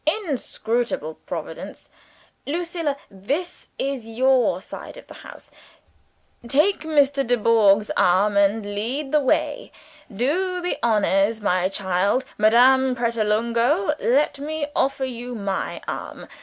Inscrutable Providence!) Lucilla, this is your side of the house. Take Mr. Dubourg's arm, and lead the way. Do the honors, my child. Madame Pratolungo, let me offer you my arm.